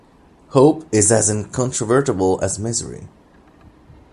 Hope is as incontrovertible as misery.